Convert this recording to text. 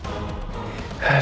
saya ganti yang baru ya sebentar